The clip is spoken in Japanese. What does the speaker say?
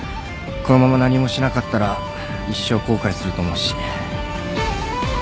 このまま何もしなかったら一生後悔すると思うし。